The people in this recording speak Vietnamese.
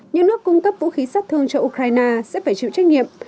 những nước cung cấp vũ khí sát thương cho ukraine sẽ phải chịu trách nhiệm